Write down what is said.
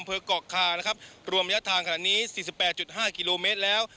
อำเภอกอกคารวมยัดทางขนาดนี้๔๘๕กิโลเมตรแล้ว